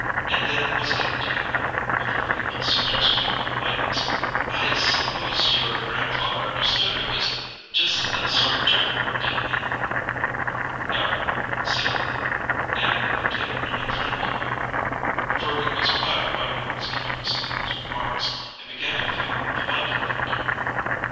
and then was able to add, with a feeble suggestion of lightness: "I suppose your grandfather understood it was just a sort of joke, didn't he?" "No," said Herbert, and continued in a friendly way, for he was flattered by Noble's interest in his remarks, and began to feel a liking for him.